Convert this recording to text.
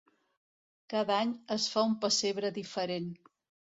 Cada any es fa un pessebre diferent.